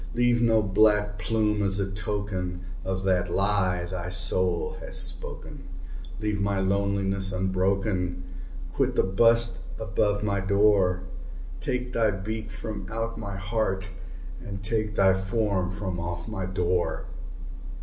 Leave no black plume as a token of that lie thy soul hath spoken! Leave my loneliness unbroken! quit the bust above my door! Take thy beak from out my heart, and take thy form from off my door!"